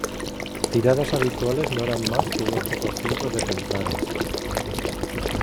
Tiradas habituales no eran más que unos pocos cientos de ejemplares.